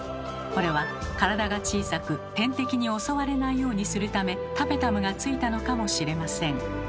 これは体が小さく天敵に襲われないようにするためタペタムがついたのかもしれません。